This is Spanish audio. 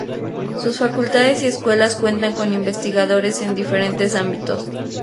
Sus facultades y escuelas cuentan con investigadores en diferentes ámbitos.